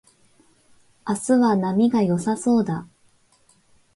明日は波が良さそうだ